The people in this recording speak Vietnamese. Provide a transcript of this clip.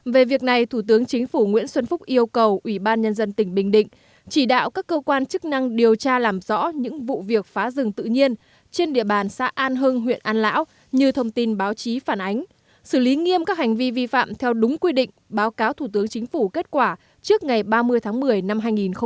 về việc này thủ tướng chính phủ nguyễn xuân phúc yêu cầu ủy ban nhân dân tỉnh bình định chỉ đạo các cơ quan chức năng điều tra làm rõ những vụ việc phá rừng tự nhiên trên địa bàn xã an hưng huyện an lão như thông tin báo chí phản ánh xử lý nghiêm các hành vi vi phạm theo đúng quy định báo cáo thủ tướng chính phủ kết quả trước ngày ba mươi tháng một mươi năm hai nghìn một mươi chín